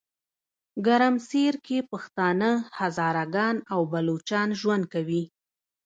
ګرمسیرکې پښتانه، هزاره ګان او بلوچان ژوند کوي.